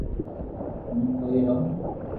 ھون ڪوئي رووُ